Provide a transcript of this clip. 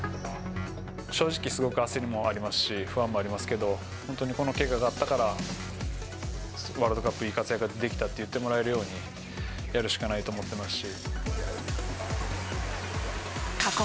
正直、すごく焦りもありますし、不安もありますけど、本当にこのけががあったから、ワールドカップでいい活躍ができたって言ってもらえるように、やるしかないと思ってますし。